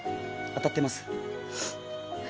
当たってます？